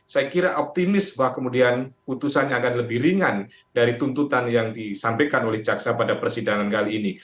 saya kira optimis bahwa kemudian putusannya akan lebih ringan dari tuntutan yang disampaikan oleh jaksa pada persidangan kali ini